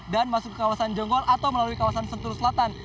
dan masuk ke kawasan jonggol atau melalui kawasan sentul selatan